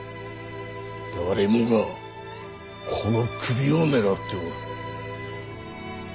誰もがこの首を狙っておる。